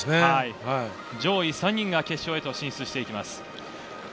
上位３人が決勝へと進出します。